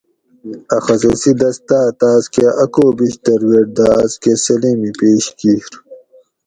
اۤ خصوصی دستاۤ تاسکہ اۤکو بِیش درویٹ دہ آس کہ سلیمی پیش کِیر